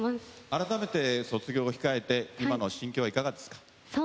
改めて卒業日控えて今の心境いかがですか。